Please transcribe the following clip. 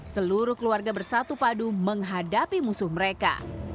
seluruh keluarga bersatu padu menghadapi musuh mereka